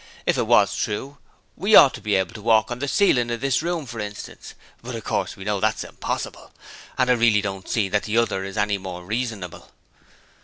If it was true, we ought to be able to walk on the ceiling of this room, for instance; but of course we know that's impossible, and I really don't see that the other is any more reasonable.'